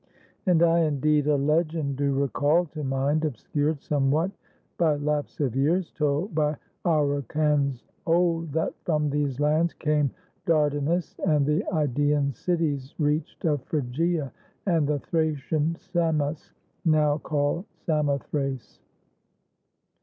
And I indeed a legend do recall To mind, obscured somewhat by lapse of years, Told by Auruncans old, that from these lands Came Dardanus, and the Idaean cities reached Of Phrygia, and the Thracian Samos, now 249 ROME Called Samothrace.